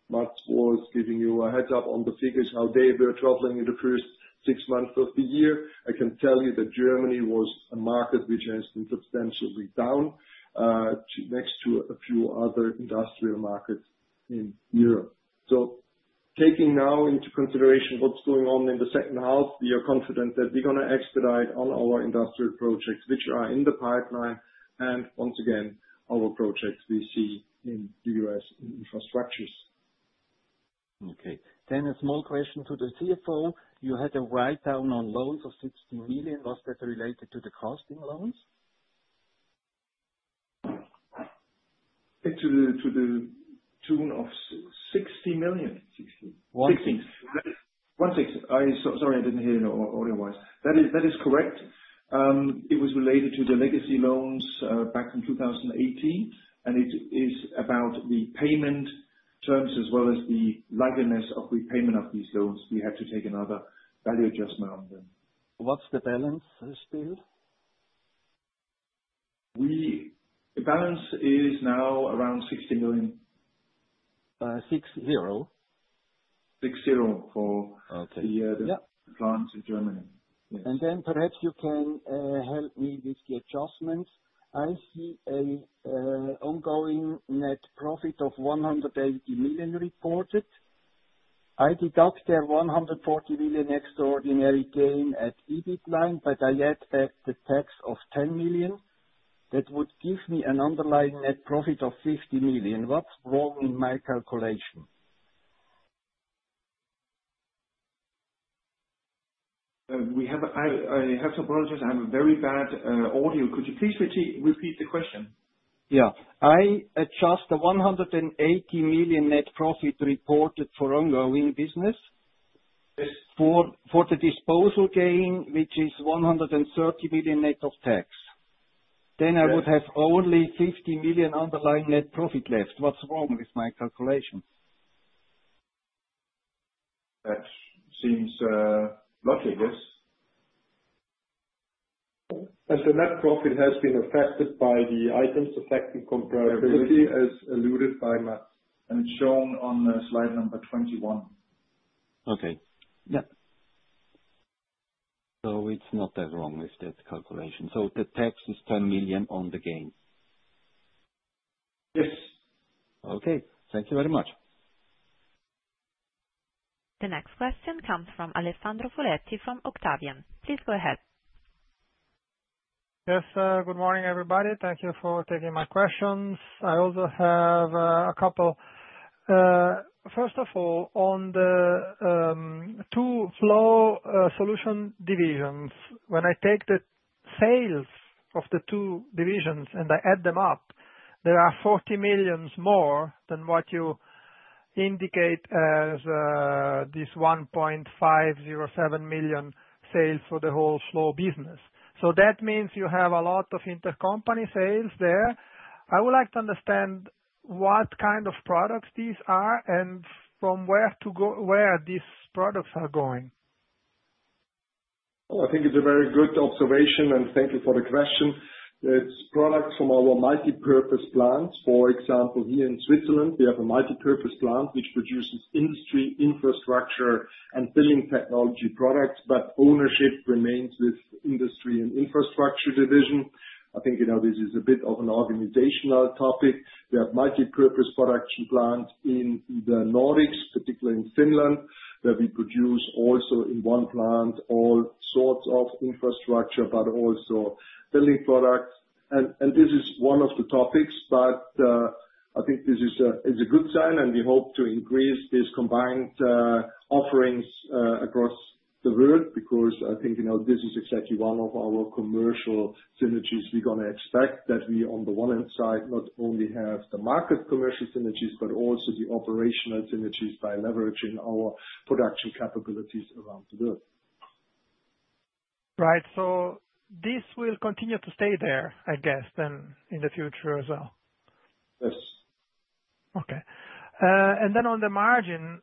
Mats was giving you a heads up on the figures, how they were traveling in the first six months of the year. I can tell you that Germany was a market which has been substantially down next to a few other industrial markets in Europe. So taking now into consideration what's going on in the second half, we are confident that we're going to expedite all our industrial projects, which are in the pipeline and, once again, our projects we see in The U. S. Infrastructures. Okay. Then a small question to the CFO. You had a write down on loans of 60,000,000. Was that related to the costing loans? To the tune of €60,000,000 161,000,000 I'm sorry, I didn't hear you audio wise. That is correct. It was related to the legacy loans back in 2018, and it is about repayment terms as well as the likeness of repayment of these loans. We had to take another value adjustment on them. What's the balance still? We the balance is now around €60,000,000 six-zero? Six-zero for the clients in Germany. And then perhaps you can help me with the adjustments. I see an ongoing net profit of 180,000,000 reported. I deduct the 140,000,000 extraordinary gain at EBIT line, but I add a tax of €10,000,000 That would give me an underlying net profit of €50,000,000 What's wrong in my calculation? We have I have to apologize, I have a very bad audio. Could you please repeat the question? Yes. I adjust the €180,000,000 net profit reported for ongoing business for the disposal gain, which is €130,000,000 net of tax. I would have only €50,000,000 underlying net profit left. What's wrong with my calculation? That seems lucky, yes. As the net profit has been affected by the items affecting comparability, as alluded by Matt and shown on Slide number 21. Okay. Yes. So it's not that wrong with that calculation. So the tax is 10,000,000 on the gain? Yes. Okay. Thank you very much. The next question comes from Alessandro Foletti from Octavian. Please go ahead. Yes. Good morning, everybody. Thank you for taking my questions. I also have a couple. First of all, on the two flow solution divisions, when I take the sales of the two divisions and I add them up, there are 40 millions more than what you indicate as this $1,507,000 sales for the whole Flow business. So that means you have a lot of intercompany sales there. I would like to understand what kind of products these are and from where to go where these products are going? Well, I think it's a very good observation, and thank you for the question. It's products from our multipurpose plants. For example, here in Switzerland, we have a multipurpose plant, which produces industry infrastructure and billing technology products, but ownership remains with Industry and Infrastructure division. I think this is a bit of an organizational topic. We have multipurpose production plants in The Nordics, particularly in Finland, where we produce also in one plant all sorts of infrastructure but also building products. And this is one of the topics, but I think this is a good sign and we hope to increase this combined offerings across the world because I think this is exactly one of our commercial synergies we're going to expect that we, on the one hand side, not only have the market commercial synergies but also the operational synergies by leveraging our production capabilities around the world. Right. So this will continue to stay there, I guess, then in the future as well? Yes. Okay. And then on the margin,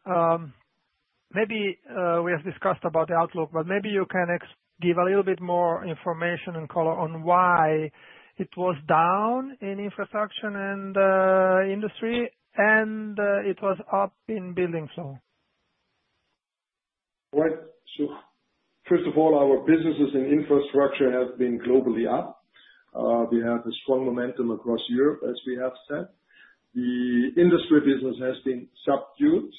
maybe we have discussed about the outlook, but maybe you can give a little bit more information and color on why it was down in infrastructure and industry and it was up in building flow. Right. So first of all, our businesses in infrastructure have been globally up. We have a strong momentum across Europe, as we have said. The industry business has been subdued.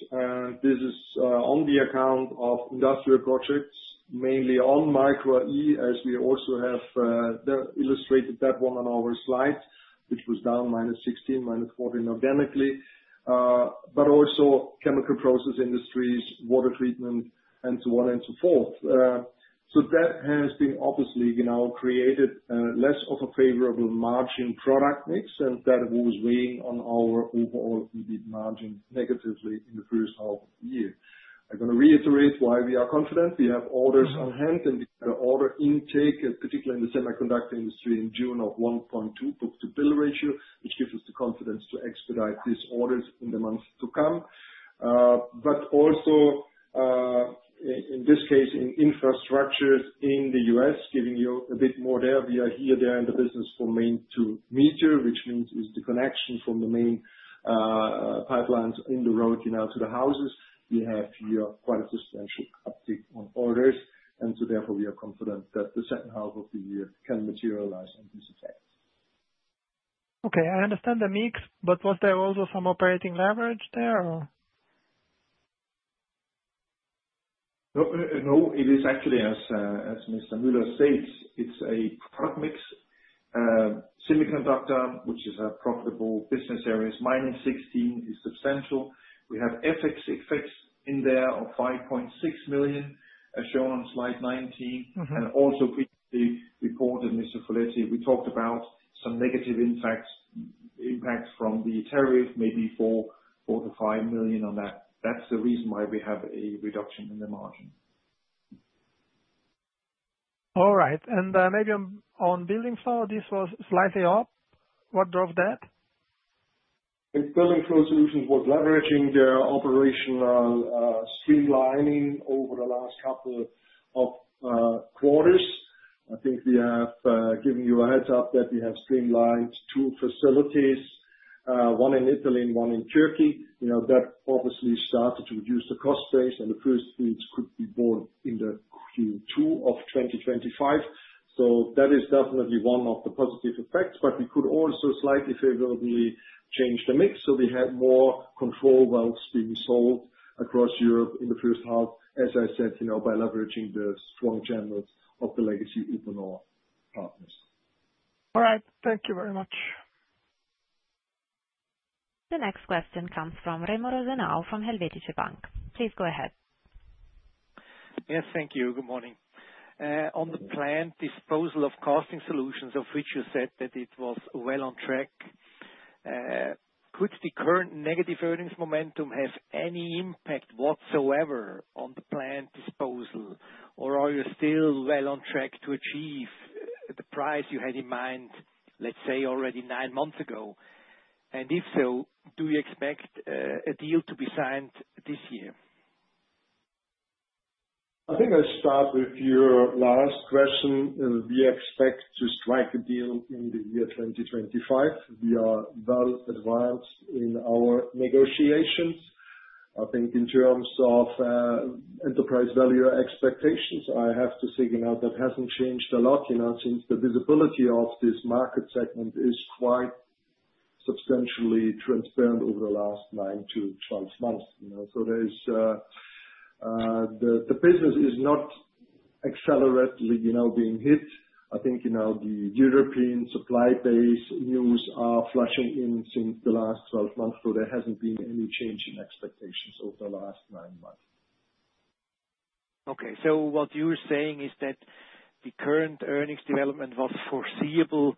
This is on the account of industrial projects, mainly on micro E as we also have illustrated that one on our slide, which was down minus 16%, minus 14% organically. But also chemical process industries, water treatment and so on and so forth. So that has been obviously created less of a favorable margin product mix and that was weighing on our overall EBIT margin negatively in the first half of the year. I'm going to reiterate why we are confident. We have orders on hand and we had an order intake, particularly in the semiconductor industry in June of 1.2 book to bill ratio, which gives us the confidence to expedite these orders in the months to come. But also, in this case, in infrastructures in The U. S, giving you a bit more there. We are here there in the business from main to major, which means is the connection from the main pipelines in the road now to the houses, we have here quite a substantial uptick on orders. And so therefore, we are confident that the second half of the year can materialize on this effect. Okay. I understand the mix, but was there also some operating leverage there? No. It is actually, as Mr. Mueller said, it's a product mix. Semiconductor, which is a profitable business areas, minus 16% is substantial. We have FX effects in there of 5,600,000.0, as shown on Slide 19. And also previously reported, Mr. Foletti, we talked about some negative impacts from the tariff, maybe 4,000,000 to 5,000,000 on that. That's the reason why we have a reduction in the margin. All right. And maybe on Building this was slightly up. What drove that? BuildingFlow Solutions was leveraging their operational streamlining over the last couple of quarters. I think we have given you a heads up that we have streamlined two facilities, one in Italy and one in Turkey. That obviously started to reduce the cost base and the first fleets could be bought in the Q2 of twenty twenty five. So that is definitely one of the positive effects, but we could also slightly favorably change the mix. So we have more control whilst being sold across Europe in the first half, as I said, by leveraging the strong channels of the legacy Equinor partners. All right. Thank you very much. The next question comes from Raimo Rosenau from Helvetige Bank. Please go ahead. Yes. Thank you. Good morning. On the planned disposal of Casting Solutions, of which you said that it was well on track, could the current negative earnings momentum have any impact whatsoever on the planned disposal? Or are you still well on track to achieve the price you had in mind, let's say, already nine months ago? And if so, do you expect a deal to be signed this year? I think I'll start with your last question. We expect to strike a deal in the year 2025. We are well advanced in our negotiations. I think in terms of enterprise value expectations, I have to say that hasn't changed a lot since the visibility of this market segment is quite substantially transparent over the last nine to twelve months. So there's the business is not accelerating now being hit. I think the European supply base news are flushing in since the last twelve months, so there hasn't been any change in expectations over the last nine months. Okay. So what you're saying is that the current earnings development was foreseeable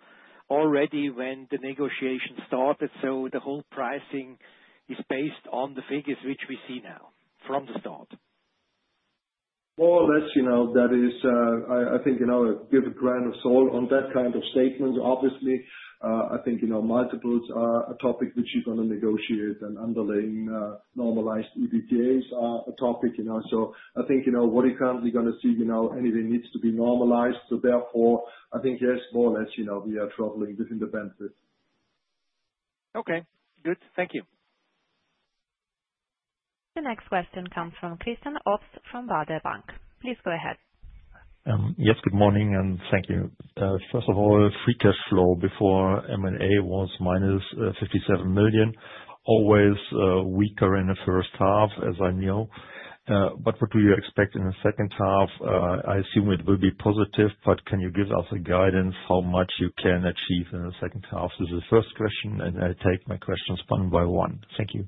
already when the negotiation started. So the whole pricing is based on the figures which we see now from the start? More or less, that is I think I'll give a grain of salt on that kind of statement. Obviously, I think multiples are a topic which you're to negotiate and underlying normalized EBITDAs are a topic. So I think what you're currently going to see, anything needs to be normalized. So therefore, I think, yes, more or less, we are traveling within the benefit. The next question comes from Christian Ops from Wader Bank. Please go ahead. Yes, good morning and thank you. First of all, free cash flow before M and A was minus 57,000,000, always weaker in the first half, as I know. But what do you expect in the second half? I assume it will be positive, but can you give us a guidance how much you can achieve in the second half? This is the first question, and I'll take my questions one by one. Thank you.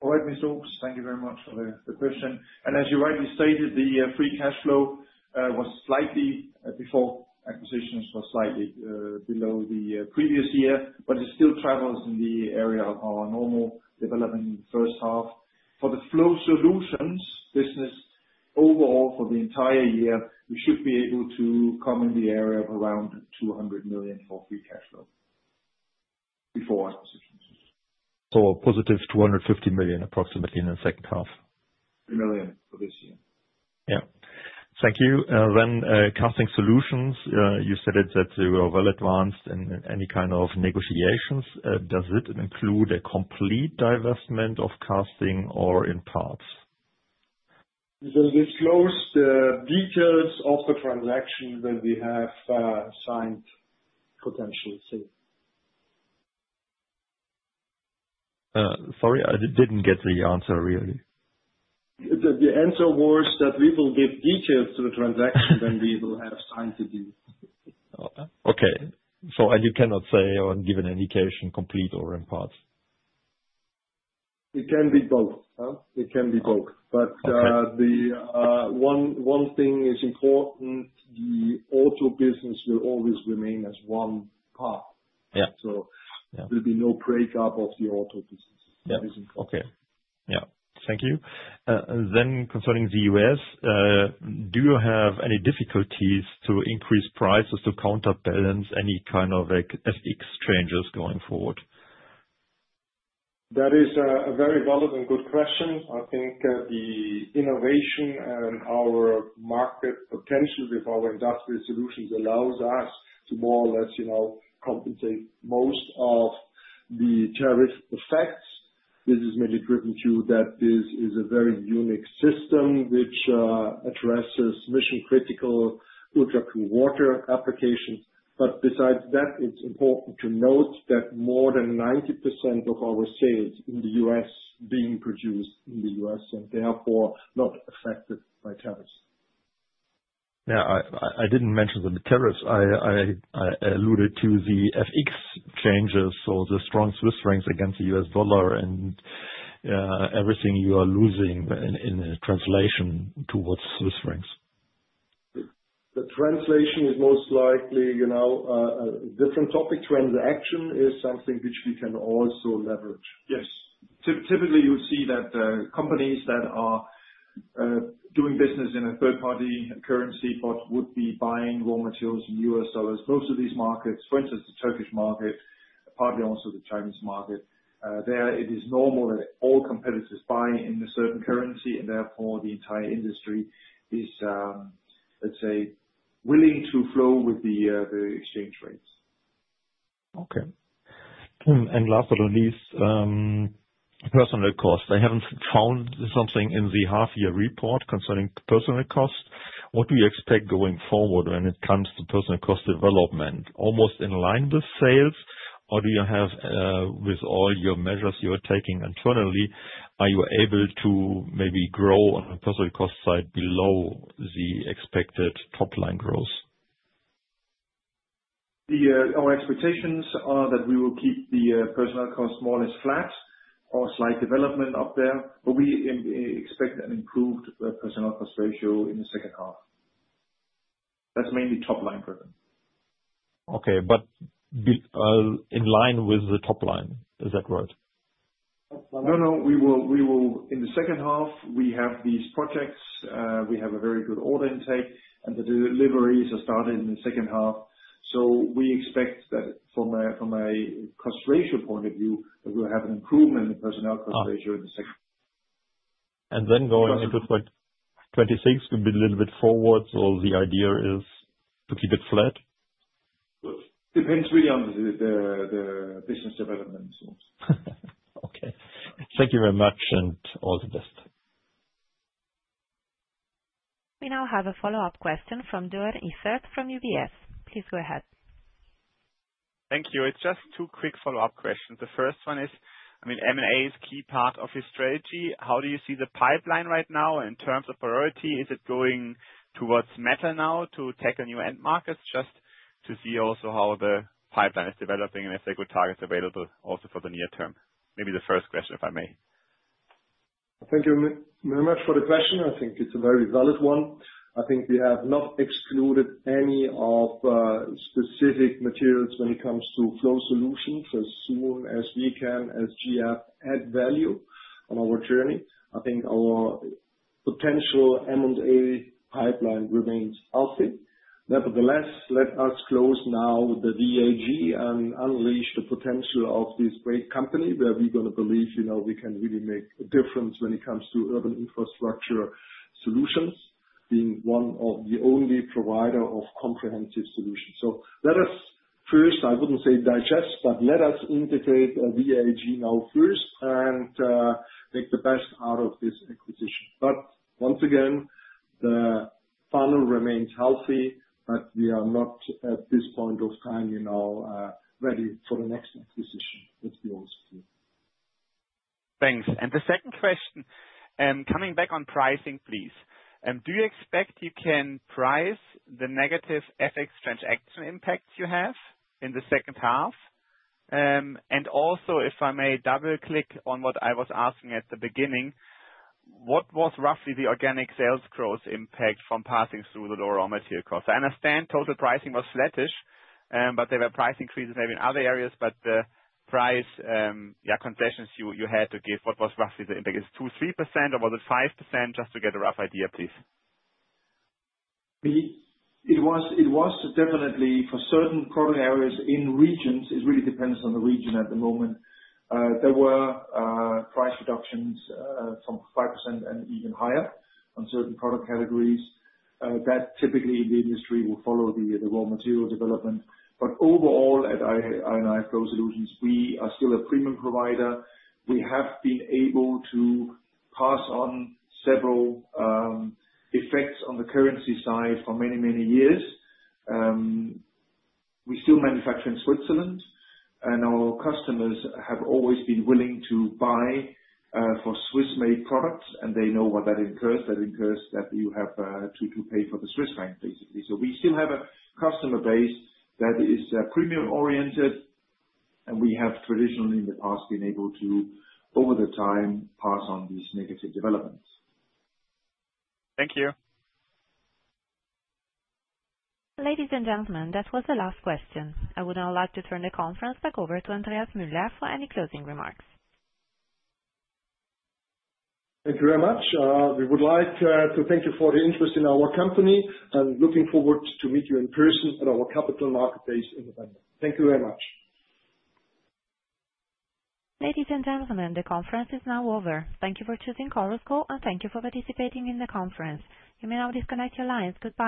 All right, Mr. Oakes. Thank you very much for the question. And as you rightly stated, the free cash flow was slightly before acquisitions was slightly below the previous year, but it still travels in the area of our normal development in the first half. For the Flow Solutions business, overall, for the entire year, we should be able to come in the area of around 200,000,000 for free cash flow before acquisitions. So positive DKK $250,000,000 approximately in the second half? 3,000,000 for this year. Yes. Then Casting Solutions, you said that you are well advanced in any kind of negotiations. Does it include a complete divestment of casting or in parts? We will disclose the details of the transaction that we have signed potentially. Sorry, I didn't get the answer really. The answer was that we will give details to the transaction when we will have signed the deal. Okay. So and you cannot say or give an indication complete or in part? It can be both. It can be both. But the one thing is important, the auto business will always remain as one part. So there'll be no breakup of the auto business. Okay. Yes. Then concerning The U. S, do you have any difficulties to increase prices to counterbalance any kind of FX changes going forward? That is a very valid and good question. I think the innovation and our market potential with our Industrial Solutions allows us to more or less compensate most of the tariff effects. This is mainly driven to that this is a very unique system, which addresses mission critical ultra clean water applications. But besides that, it's important to note that more than 90% of our sales in The U. S. Being produced in The U. S. And therefore, not affected by tariffs. Yes. I didn't mention the tariffs. I alluded to the FX changes or the strong Swiss francs against the U. S. Dollar and everything you are losing in translation towards Swiss francs. The translation is most likely a different topic. Transaction is something which we can also leverage. Yes. Typically, you'll see that companies that are doing business in a third party currency but would be buying raw materials in U. S. Dollars, most of these markets, for instance, the Turkish market, partly also the Chinese market, there, it is normal that all competitors buy in a certain currency, and therefore, the entire industry is, let's say, willing to flow with the exchange rates. Okay. And last but not least, personnel costs. I haven't found something in the half year report concerning personnel costs. What do you expect going forward when it comes to personnel cost development? Almost in line with sales? Or do you have with all your measures you are taking internally, are you able to maybe grow on the personnel cost side below the expected top line growth? Our expectations are that we will keep the personnel cost more or less flat or slight development up there, but we expect an improved personnel cost ratio in the second half. That's mainly top line driven. Okay. But in line with the top line, is that right? No, no. We will in the second half, we have these projects. We have a very good order intake, and the deliveries are starting in the second half. So we expect that from a cost ratio point of view, we'll have an improvement in personnel cost ratio in the second half. Then going into 2026, could be a little bit forward? So the idea is to keep it flat? Depends really on the business development. We now have a follow-up question from Duer Ifert from UBS. Just two quick follow-up questions. The first one is, I mean, M and A is a key part of your strategy. How do you see the pipeline right now in terms of priority? Is it going towards metal now to tackle new end markets? Just to see also how the pipeline is developing and if there good targets available also for the near term. Maybe the first question, if I may. Thank you very much for the question. I think it's a very valid one. I think we have not excluded any of specific materials when it comes to Flow Solutions as soon as we can as GF add value on our journey. I think our potential M and A pipeline remains healthy. Nevertheless, let us close now with the DAG and unleash the potential of this great company where we're going to believe we can really make a difference when it comes to urban infrastructure solutions, being one of the only provider of comprehensive solutions. So let us first, I wouldn't say digest, but let us integrate VAG now first and make the best out of this acquisition. But once again, the funnel remains healthy, but we are not, at this point of time, ready for the next acquisition, let's be honest. And the second question, coming back on pricing, please. Do you expect you can price the negative FX transaction impact you have in the second half? And also, if I may double click on what I was asking at the beginning, what was roughly the organic sales growth impact from passing through the lower raw material costs? I understand total pricing was flattish, but there were price increases maybe in other areas. But the price, yes, concessions you had to give, what was roughly the impact? Is it 23%? Or was it 5%? Just to get a rough idea, please. It was definitely for certain product areas in regions, it really depends on the region at the moment. There were price reductions from 5% and even higher on certain product categories. That typically in the industry will follow the raw material development. But overall, at I and I have closed solutions, we are still a premium provider. We have been able to pass on several effects on the currency side for many, many years. We still manufacture in Switzerland, and our customers have always been willing to buy, for Swiss made products, and they know what that incurs. That incurs that you have, to to pay for the Swiss franc, basically. So we still have a customer base that is premium oriented, and we have traditionally in the past been able to, over the time, pass on these negative developments. Ladies and gentlemen, that was the last question. I would now like to turn the conference over to Andreas Muller for any closing remarks. Thank you very much. We would like to thank you for the interest in our company, and looking forward to meet you in person at our Capital Market Days in November. Thank you very much. Ladies and gentlemen, the conference is now over. Thank you for choosing Chorus Call, and thank you for participating in the conference. You may now disconnect your lines. Goodbye.